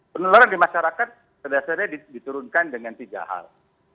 penurunan di masyarakat berdasarkan itu diturunkan dengan tiga hal